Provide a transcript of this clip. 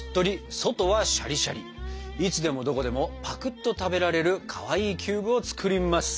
いつでもどこでもぱくっと食べられるかわいいキューブを作ります！